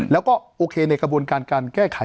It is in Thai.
แล้วก็โอเคในกระบวนการการแก้ไข